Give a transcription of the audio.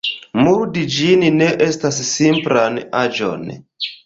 Murdi ĝin ne estas simplan aĵon.